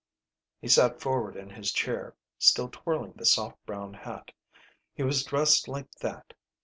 He sat forward in his chair, still twirling the soft brown hat. He was dressed like that.